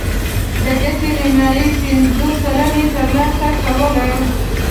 د ګټې نیمايي پنځوس سلنه یې ترلاسه کوله